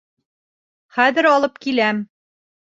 Хәҙер алып киләм.